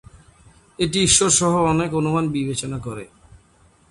এটি ঈশ্বর সহ অনেক অনুমান বিবেচনা করে।